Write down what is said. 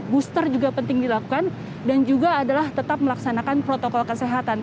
booster juga penting dilakukan dan juga adalah tetap melaksanakan protokol kesehatan